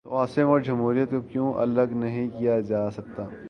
تو عاصم اور جمہوریت کو کیوں الگ نہیں کیا جا سکتا؟